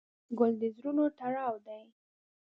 ګل د زړونو تړاو دی.